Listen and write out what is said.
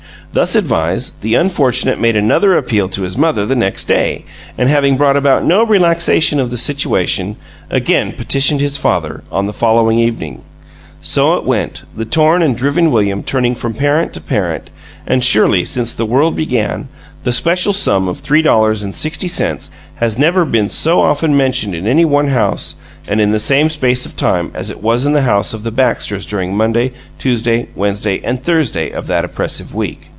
Thus advised, the unfortunate made another appeal to his mother the next day, and, having brought about no relaxation of the situation, again petitioned his father, on the following evening. So it went; the torn and driven William turning from parent to parent; and surely, since the world began, the special sum of three dollars and sixty cents has never been so often mentioned in any one house and in the same space of time as it was in the house of the Baxters during Monday, Tuesday, Wednesday, and Thursday of that oppressive week.